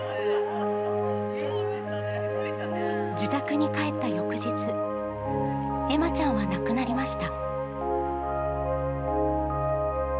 自宅に帰った翌日、恵麻ちゃんは亡くなりました。